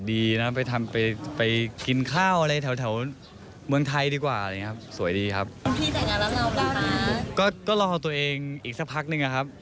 เดินประมาณ๓๐ครับ